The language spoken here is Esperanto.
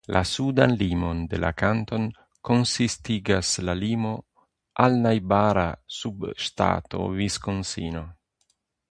La sudan limon de la kanton konsistigas la limo al la najbara subŝtato Viskonsino.